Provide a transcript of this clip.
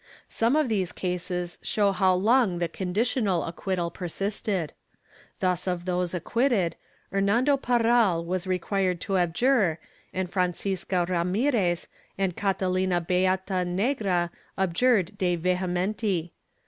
Some of these cases show how long the conditional acquittal persisted. Thus of those acquitted, Hernando Parral was required to abjure, and Francisca Ramirez and Cata lina beata negra abjured de vehementi.